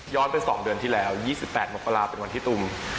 ไป๒เดือนที่แล้ว๒๘มกราเป็นวันที่ตูม